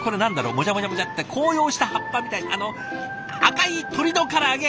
もじゃもじゃもじゃって紅葉した葉っぱみたいな赤い鶏のから揚げ！